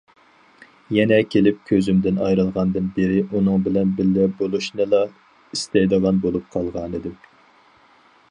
يەنە كېلىپ كۆزۈمدىن ئايرىلغاندىن بېرى، ئۇنىڭ بىلەن بىللە بولۇشنىلا ئىستەيدىغان بولۇپ قالغانىدىم.